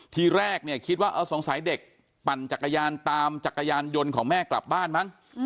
ทีแรกเนี่ยคิดว่าสงสัยเด็กปั่นจักรยานตามจักรยานยนต์ของแม่กลับบ้านมั้ง